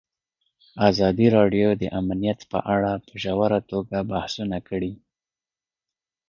ازادي راډیو د امنیت په اړه په ژوره توګه بحثونه کړي.